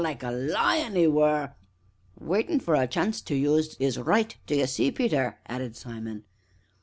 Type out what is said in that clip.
like a lion 'e were " "Waitin' for a chance to use 'is 'right, d'ye see, Peter!" added Simon.